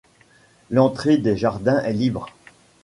L'entrée des jardins est libre.